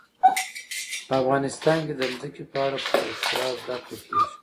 په افغانستان کې د ځمکه په اړه پوره زده کړه کېږي.